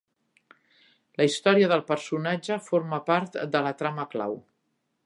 La història del personatge forma part de la trama clau.